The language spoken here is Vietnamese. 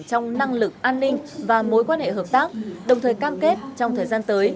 trong năng lực an ninh và mối quan hệ hợp tác đồng thời cam kết trong thời gian tới